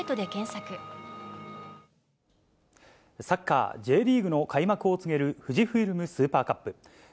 サッカーＪリーグの開幕を告げる富士フイルムスーパーカップ。